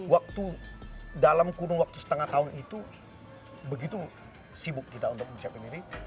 waktu dalam kurung setengah tahun itu begitu sibuk kita untuk siapkan ini